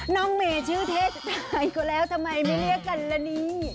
น้องเมย์ชื่อเทศอะไรก็แล้วทำไมไม่เรียกกันละนี่